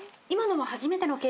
今のは初めて。